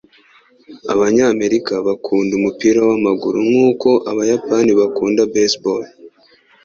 Abanyamerika bakunda umupira wamaguru nkuko abayapani bakunda baseball.